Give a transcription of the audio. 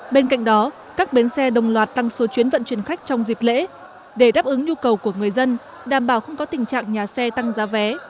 bên cạnh đó các bến xe đồng loạt tăng số chuyến vận chuyển khách trong dịp lễ để đáp ứng nhu cầu của người dân đảm bảo không có tình trạng nhà xe tăng giá vé